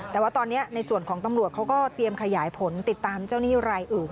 แต่ตอนนี้ตำรวจเขาเตรียมขยายผลติดตามรายอื่น